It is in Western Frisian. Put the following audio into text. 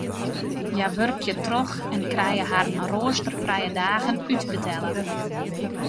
Hja wurkje troch en krije harren roasterfrije dagen útbetelle.